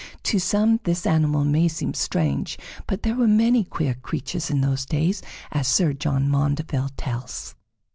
To some this animal may seem strange, but there were many queer creatures in those days, as Sir John Maundeville tells.